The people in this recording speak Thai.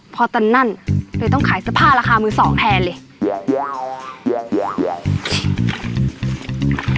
พอตั้งนั้นเลยต้องขายสภาพราคามือสองแทนเลย